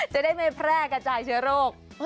จะได้ไม่แพร่กระจายเชื้อโรค